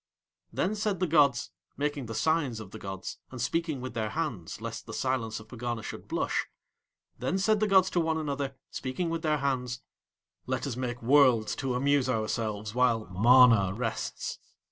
Then said the gods, making the signs of the gods and speaking with Their hands lest the silence of Pegana should blush; then said the gods to one another, speaking with Their hands; "Let Us make worlds to amuse Ourselves while MANA rests.